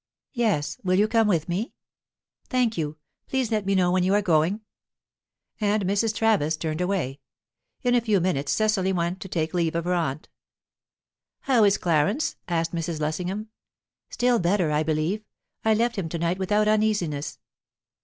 "Yes. Will you come with me?" "Thank you. Please let me know when you are going." And Mrs. Travis turned away. In a few minutes Cecily went to take leave of her aunt. "How is Clarence?" asked Mrs. Lessingham. "Still better, I believe. I left him to night without uneasiness."